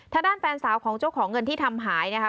ด้านแฟนสาวของเจ้าของเงินที่ทำหายนะคะ